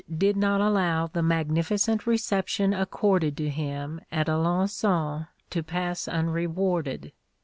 did not allow the magnificent reception accorded to him at Alençon to pass unrewarded.